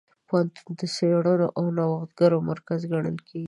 پوهنتون د څېړنو او نوښتونو مرکز ګڼل کېږي.